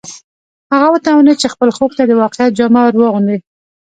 هغه وتوانېد چې خپل خوب ته د واقعیت جامه ور واغوندي